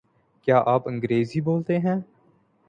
کیا آپ انگریزی بولتے ہیں؟